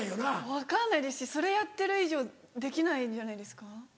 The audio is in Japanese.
分かんないですしそれやってる以上できないんじゃないですか？